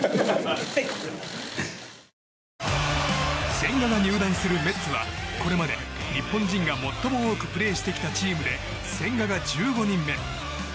千賀が入団するメッツはこれまで日本人が最も多くプレーしてきたチームで千賀が１５人目。